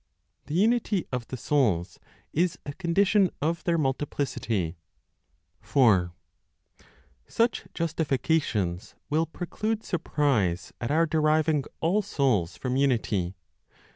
THE UNITY OF THE SOULS IS A CONDITION OF THEIR MULTIPLICITY. 4. Such justifications will preclude surprise at our deriving all souls from unity.